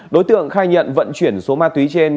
đối tượng khai nhận vận chuyển số ma túy trên